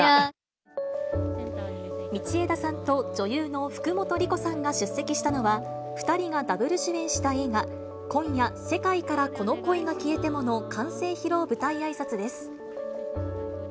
道枝さんと女優の福本莉子さんが出席したのは、２人がダブル主演した映画、今夜、世界からこの恋が消えてもの完成披露舞台あいさつです。